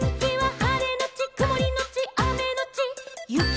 「はれのちくもりのちあめのちゆき」